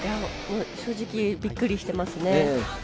正直、びっくりしてますね。